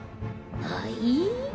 はい？